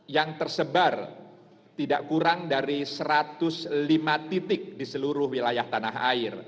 yang tersebar tidak kurang dari satu ratus lima titik di seluruh wilayah tanah air